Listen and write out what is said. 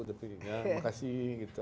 tapi ya makasih gitu